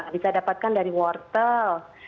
bisa dapatkan dari wortel